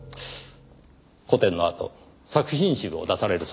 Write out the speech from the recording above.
個展のあと作品集を出されるそうですね。